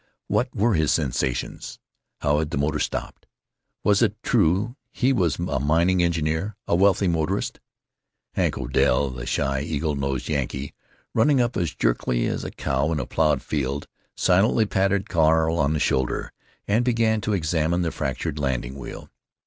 What were his sensations? How had his motor stopped? Was it true he was a mining engineer, a wealthy motorist? Hank Odell, the shy, eagle nosed Yankee, running up as jerkily as a cow in a plowed field, silently patted Carl on the shoulder and began to examine the fractured landing wheel.